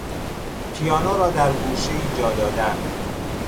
پیانو را در گوشهای جا دادن